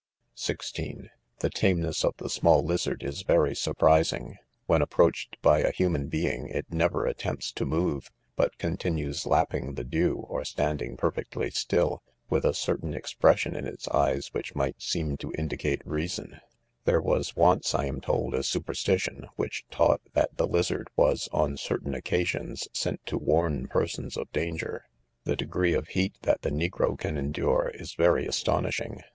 (16) The tameness of the small lizard is very surpris ing. When approached by a human : being it never at tempts fo~move, but continues lapping the dew or stand * lag perfectly stilly with a certain expression in its eyes which might seem to indicate reason,, There was oaee 5 ■228 NOTES. I am told; a superstition, which taught that the lizard was on certain occasions sent to warn persons of danger* The degree of heat that the negro can endure, is Tery astonishing.